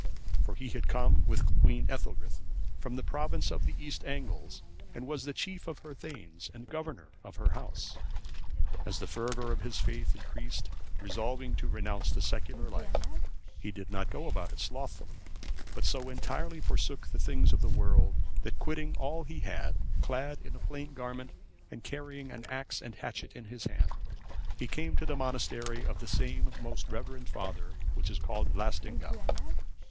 For he had come with Queen Ethelthryth(550) from the province of the East Angles, and was the chief of her thegns, and governor of her house. As the fervour of his faith increased, resolving to renounce the secular life, he did not go about it slothfully, but so entirely forsook the things of this world, that, quitting all that he had, clad in a plain garment, and carrying an axe and hatchet in his hand, he came to the monastery of the same most reverend father, which is called Laestingaeu.